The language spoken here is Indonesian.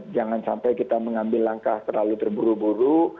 jangan sampai kita mengambil langkah terlalu terburu buru